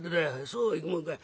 「そうはいくもんか。